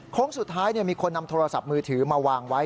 สุดท้ายมีคนนำโทรศัพท์มือถือมาวางไว้